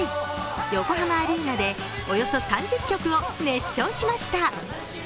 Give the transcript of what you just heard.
横浜アリーナでおよそ３０曲を熱唱しました。